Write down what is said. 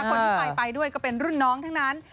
คนที่ไปด้วยก็เป็นรุ่นน้องทั้งนั้น